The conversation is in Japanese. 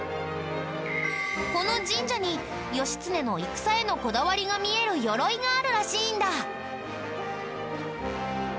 この神社に義経の戦へのこだわりが見える鎧があるらしいんだ。